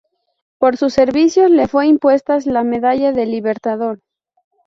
Por sus servicios le fue impuestas la Medalla del Libertador.